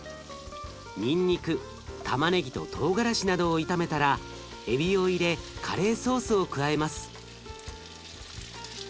にんにくたまねぎとトウガラシなどを炒めたらえびを入れカレーソースを加えます。